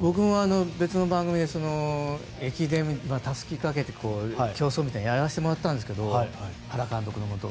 僕も別の番組で駅伝、たすきをかけて競争をやらしてもらったんですが原監督のもと。